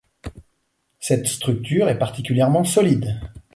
Cette structure est particulièrement solide.